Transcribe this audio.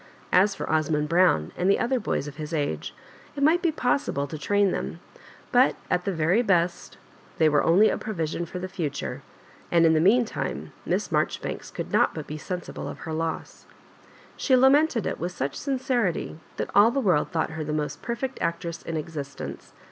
As for Osmond Brown and the other l^ys of his ase, it might be pos sible to train them, but at the best they were only a provision for the future, and in the mean time Miss Maijoribanks could. not but be sensible of her loss. She lamented it with such sincerity that all the world thought her the most perfect actress in existence.